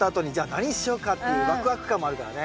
何しようかっていうワクワク感もあるからね。